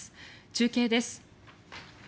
中継です。